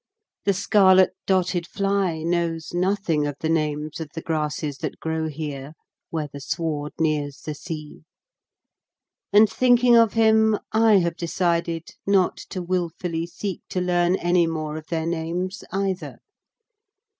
The scarlet dotted fly knows nothing of the names of the grasses that grow here where the sward nears the sea, and thinking of him I have decided not to wilfully seek to learn any more of their names either.